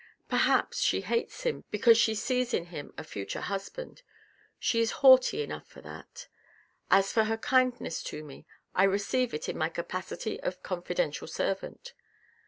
Perhaps she hates him because she sees in him a future husband. She is haughty enough for that. As for her kindness to me, I receive it in my capacity of confidential servant.